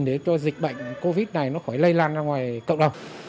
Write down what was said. để cho dịch bệnh covid này nó khỏi lây lan ra ngoài cộng đồng